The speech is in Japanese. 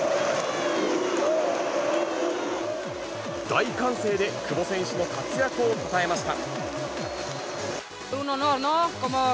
大歓声で久保選手の活躍をたたえました。